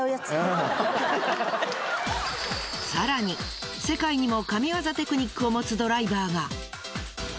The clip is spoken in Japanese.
更に世界にも神業テクニックを持つドライバーが。